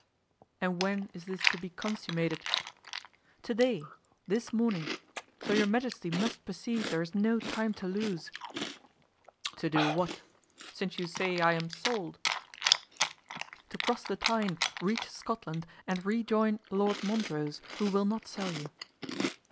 "And when is this to be consummated?" "To day—this morning; so your majesty must perceive there is no time to lose!" "To do what? since you say I am sold." "To cross the Tyne, reach Scotland and rejoin Lord Montrose, who will not sell you."